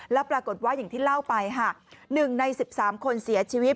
แล้วปรากฏว่าอย่างที่เล่าไปค่ะ๑ใน๑๓คนเสียชีวิต